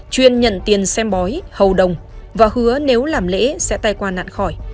chuyên nhận tiền xem bói hầu đồng và hứa nếu làm lễ sẽ tài quan nạn khỏi